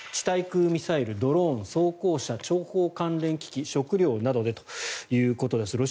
対空ミサイル、ドローン装甲車諜報関連機器、食料などでということです。